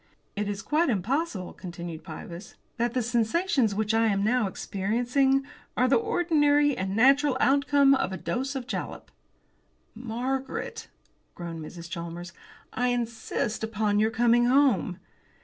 "It is quite impossible," continued Pybus, "that the sensations which I am now experiencing are the ordinary and natural outcome of a dose of jalap." "Margaret," groaned Mrs. Chalmers, "I insist upon your coming home."